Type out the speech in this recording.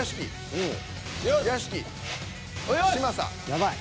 やばい。